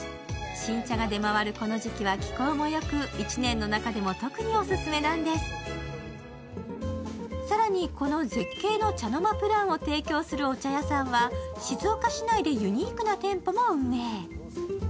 新茶が出回るこの時期は季候もよく１年の中でも特にオススメなんです更に、この絶景の茶の間プランを提供するお茶屋さんは静岡市内でユニークな店舗も運営。